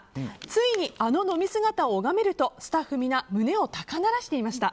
ついにあの飲み姿を拝めると、スタッフ皆胸を高鳴らしていました。